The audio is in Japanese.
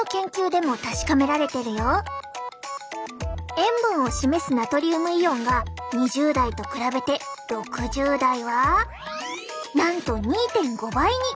塩分を示すナトリウムイオンが２０代と比べて６０代はなんと２．５倍に！